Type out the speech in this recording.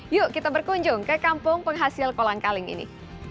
yuk kita berkunjung ke kampung penghasil kolang kaling ini